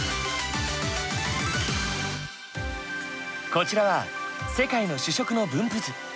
こちらは世界の主食の分布図。